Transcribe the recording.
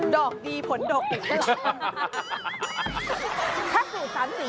ดอกดีผลดอกอีกแล้ว